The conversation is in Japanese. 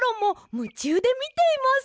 むちゅうでみています！